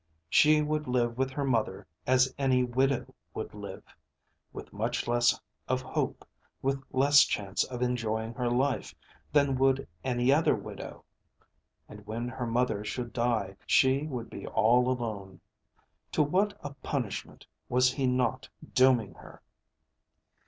She would live with her mother as any widow would live, with much less of hope, with less chance of enjoying her life, than would any other widow. And when her mother should die she would be all alone. To what a punishment was he not dooming her!